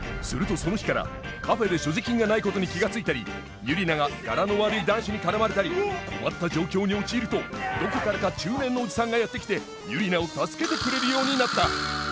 するとその日からカフェで所持金がないことに気が付いたりユリナがガラの悪い男子に絡まれたり困った状況に陥るとどこからか中年のおじさんがやって来てユリナを助けてくれるようになった！